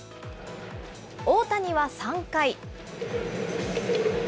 大谷は３回。